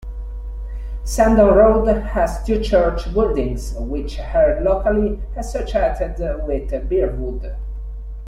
Sandon Road has two church buildings which are locally associated with Bearwood.